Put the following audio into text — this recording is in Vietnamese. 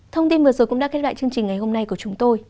thông tin vừa rồi cũng đã kết lại chương trình ngày hôm nay của chúng tôi